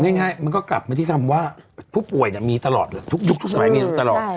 ง่ายมันก็กลับมาที่คำว่าผู้ป่วยมีตลอดเลยทุกยุคทุกสมัยมีตลอด